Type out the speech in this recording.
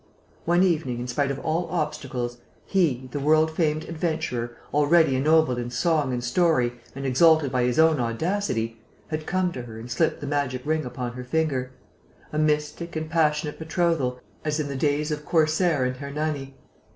One evening, in spite of all obstacles, he, the world famed adventurer, already ennobled in song and story and exalted by his own audacity, had come to her and slipped the magic ring upon her finger: a mystic and passionate betrothal, as in the days of the Corsair and Hernani....